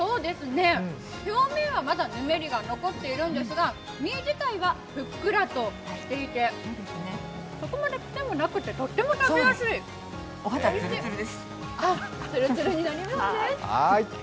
表面はまだぬめりが残っているんですが、身自体はふっくらとしていてそこまで癖もなくて、とっても食べやすい。